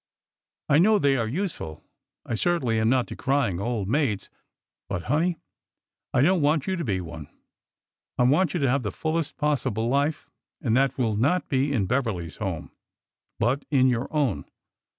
I know they are useful. I certainly am not decrying old maids. But, honey, I don't want you to be one ! I want you to have the fullest possible life, and that will not be in Beverly's home, but in your own.